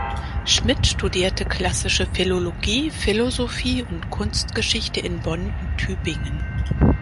Schmitt studierte Klassische Philologie, Philosophie und Kunstgeschichte in Bonn und Tübingen.